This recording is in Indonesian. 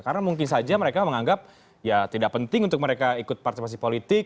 karena mungkin saja mereka menganggap ya tidak penting untuk mereka ikut partisipasi politik